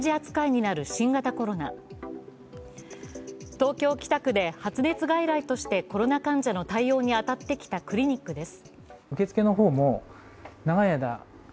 東京・北区で発熱外来としてコロナ患者の対応に当たってきたクリニックです。